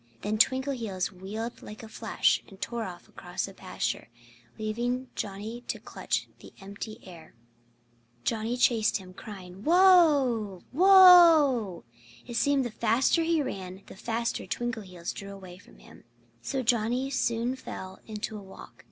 Then Twinkleheels wheeled like a flash and tore off across the pasture, leaving Johnnie to clutch the empty air. Johnnie chased him, crying, "Whoa! Whoa!" It seemed that the faster he ran the faster Twinkleheels drew away from him. So Johnnie soon fell into a walk.